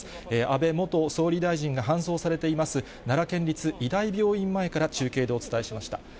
安倍元総理大臣が搬送されています、奈良県立医大病院前から中継でお伝えしました。